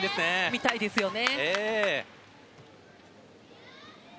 見たいですよね。